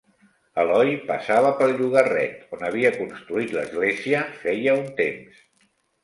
Eloi passava pel llogarret, on havia construït l'església feia un temps.